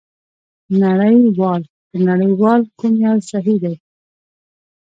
نړۍوال که نړیوال کوم یو صحي دی؟